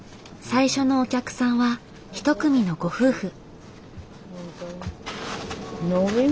最初のお客さんは一組のご夫婦。